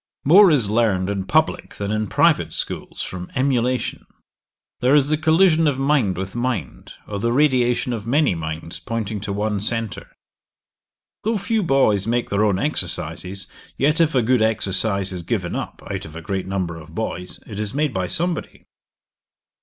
'More is learned in publick than in private schools, from emulation; there is the collision of mind with mind, or the radiation of many minds pointing to one centre. Though few boys make their own exercises, yet if a good exercise is given up, out of a great number of boys, it is made by somebody.'